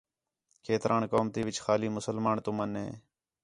کھیتران قوم تی وِچ خالی مسلمان تُمن ہے